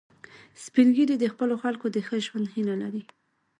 سپین ږیری د خپلو خلکو د ښه ژوند هیله لري